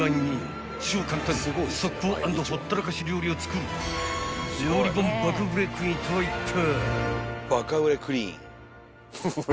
［超簡単速攻＆ほったらかし料理を作る料理本爆売れクイーンとはいったい？］